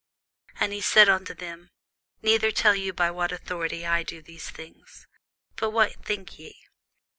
And he said unto them, Neither tell I you by what authority I do these things. But what think ye?